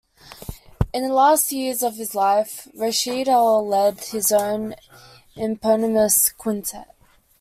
In the last years of his life, Rashied Ali led his own eponymous quintet.